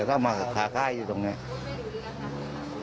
เขามาหาค่ายอยู่ตรงนี้